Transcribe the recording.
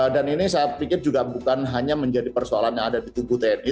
dan ini saya pikir juga bukan hanya menjadi persoalan yang ada di tugu tni